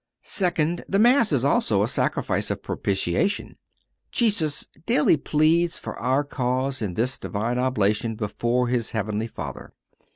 Second—The Mass is also a sacrifice of propitiation. Jesus daily pleads our cause in this Divine oblation before our Heavenly Father.